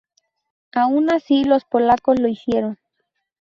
Aun así, los polacos lo hicieron.